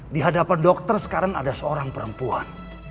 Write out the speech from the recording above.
di hadapan dokter sekarang ada seorang perempuan